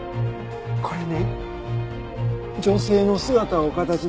これね女性の姿をかたち